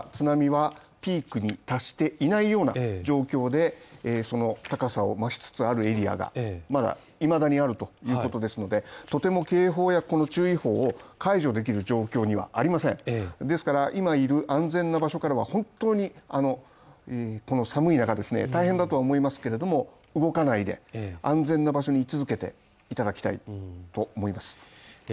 まだ津波はピークに達していないような状況でその高さを増しつつあるエリアがいまだにあるということですのでとても警報やこの注意報を、解除できる状況にはありませんですから、今いる安全な場所からはこの寒い中ですね大変だと思いますけれども、動かないで安全な場所に居続けていただきたいと思いと思います